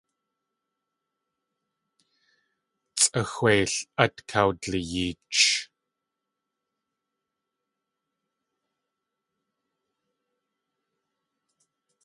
Tsʼaxweil át kawdliyeech.